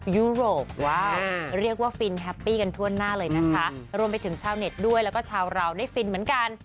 ยุโรปว้าวเรียกว่าฟินแฮปปี้กันทั่วหน้าเลยนะคะรวมไปถึงชาวเน็ตด้วยแล้วก็ชาวเราได้ฟินเหมือนกัน